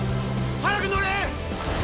早く乗れ！！